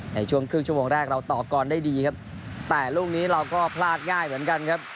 ในช่วงครึ่งชั่วโมงแรกเราต่อกรได้ดีครับแต่ลูกนี้เราก็พลาดง่ายเหมือนกันครับ